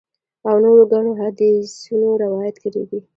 او نورو ګڼو محدِّثينو روايت کړی دی